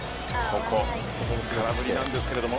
ここ空振りなんですけれども。